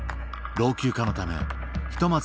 老朽化のためひとまず